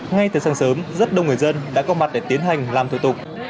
ngay từ sáng sớm rất đông người dân đã có mặt để tiến hành làm thủ tục